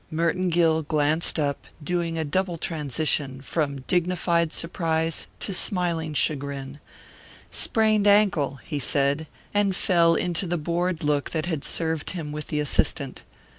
Merton Gill glanced up, doing a double transition, from dignified surprise to smiling chagrin. "Sprained ankle," he said, and fell into the bored look that had served him with the assistant.